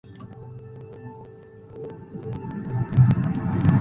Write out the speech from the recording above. La Edad media recoge diversas definiciones de virtud.